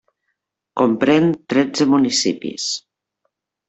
Comprèn tretze municipis.